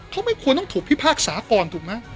เขาไม่ควรต้องถูกพิพภาคสากร